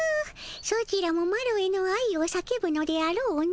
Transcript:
ソチらもマロへの愛を叫ぶのであろうの。